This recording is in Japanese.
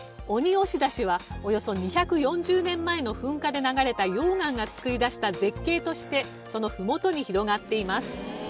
鬼押出しはおよそ２４０年前の噴火で流れた溶岩が作り出した絶景としてそのふもとに広がっています。